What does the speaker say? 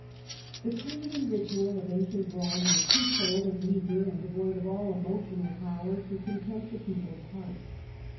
The creed and ritual of ancient Rome were too cold and meagre and devoid of all emotional power to content the people's hearts.